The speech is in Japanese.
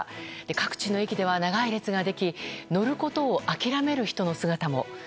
各地の駅では長い列ができ乗ることを諦める人の姿も。